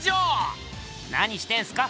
なにしてんすか？